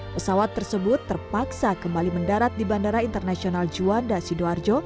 pesawat tersebut terpaksa kembali mendarat di bandara internasional juanda sidoarjo